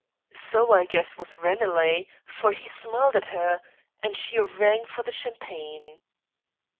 So, I guess, was Ranelagh, for he smiled at her, and she rang for the champagne.